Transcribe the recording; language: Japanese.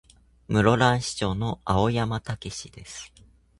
室蘭市長の青山剛です。